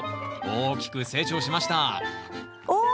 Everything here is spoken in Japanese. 大きく成長しましたおお！